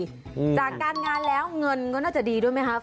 จากการงานแล้วเงินก็น่าจะดีด้วยไหมครับ